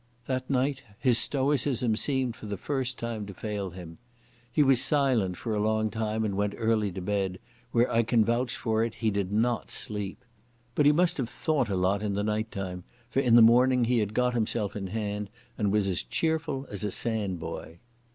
That night his stoicism seemed for the first time to fail him. He was silent for a long time and went early to bed, where I can vouch for it he did not sleep. But he must have thought a lot in the night time, for in the morning he had got himself in hand and was as cheerful as a sandboy.